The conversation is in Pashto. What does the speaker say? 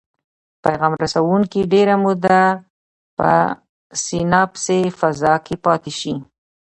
پیغام رسوونکي ډیره موده په سیناپسي فضا کې پاتې شي.